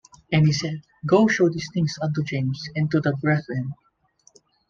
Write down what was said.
And he said, Go show these things unto James, and to the brethren.